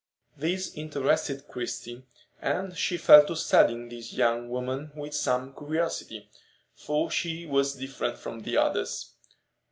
This interested Christie, and she fell to studying this young woman with some curiosity, for she was different from the others.